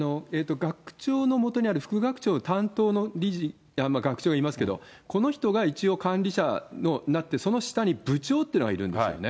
学長のもとにある副学長担当の理事、学長がいますけど、この人が一応管理者となって、その下に部長っていうのがいるんですよね。